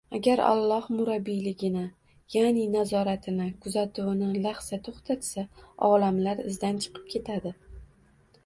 Agar Alloh murabbiyligi, ya'ni nazorati, kuzatuvini lahza to‘xtatsa, olamlar izdan chiqib ketadi